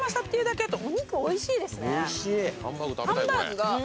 おいしい。